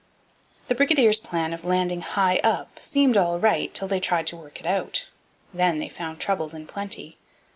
The brigadiers' plan of landing high up seemed all right till they tried to work it out. Then they found troubles in plenty.